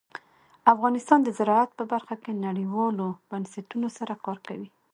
افغانستان د زراعت په برخه کې نړیوالو بنسټونو سره کار کوي.